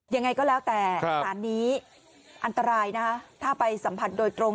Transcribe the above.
ยังไงก็แล้วแต่สารนี้อันตรายนะคะถ้าไปสัมผัสโดยตรง